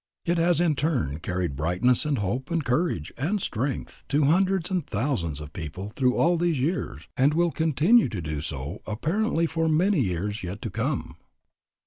It has in turn carried brightness and hope and courage and strength to hundreds and thousands of people through all these years, and will continue to do so, apparently, for many years yet to come.